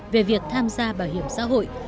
về việc tham gia bảo hiểm xã hội